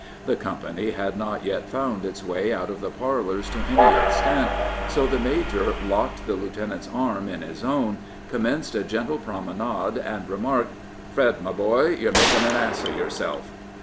The company had not yet found its way out of the parlors to any extent, so the major locked the lieutenant's arm in his own, commenced a gentle promenade, and remarked: "Fred, my boy, you're making an ass of yourself."